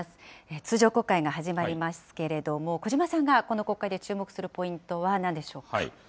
通常国会が始まりますけれども、小嶋さんがこの国会で注目するポイントはなんでしょうか。